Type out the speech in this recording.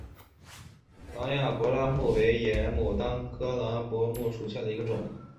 南亚柏拉木为野牡丹科柏拉木属下的一个种。